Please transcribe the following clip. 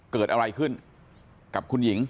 เกิดอะไรขึ้นกับคุณหญิง